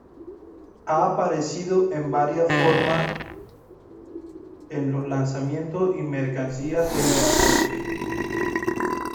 Ha aparecido en varias formas en los lanzamientos y mercancías desde entonces.